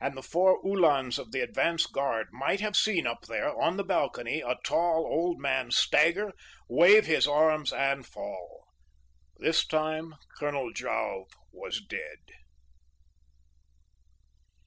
And the four Uhlans of the advance guard might have seen up there, on the balcony, a tall old man stagger, wave his arms, and fall. This time Colonel Jouve was dead."